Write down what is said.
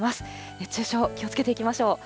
熱中症、気をつけていきましょう。